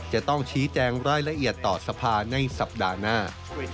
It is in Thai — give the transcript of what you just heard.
จะต้องชี้แจงรายละเอียดต่อสภาในสัปดาห์หน้า